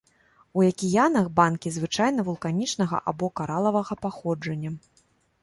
У акіянах банкі звычайна вулканічнага або каралавага паходжання.